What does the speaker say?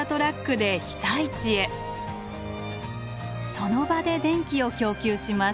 その場で電気を供給します。